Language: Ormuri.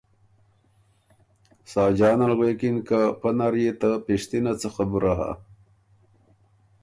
ساجان ال غوېکِن که پۀ نر يې ته پِشتِنه څۀ خبُره هۀ